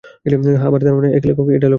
হ্যাঁ, আমার ধারণা একই লেখক এ ডায়লগটা লেখেছে।